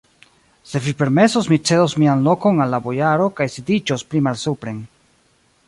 Se vi permesos, mi cedos mian lokon al la bojaro kaj sidiĝos pli malsupren.